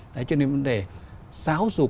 đấy cho nên vấn đề giáo dục đào tạo bồi hộp